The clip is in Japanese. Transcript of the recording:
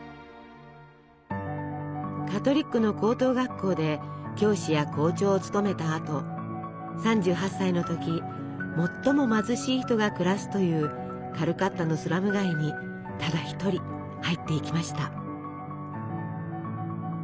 カトリックの高等学校で教師や校長を務めたあと３８歳の時最も貧しい人が暮らすというカルカッタのスラム街にただ１人入っていきました。